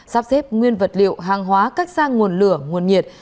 sắp xếp nguyên vật liệu hàng hóa cách sang nguồn lửa nguồn nhiệt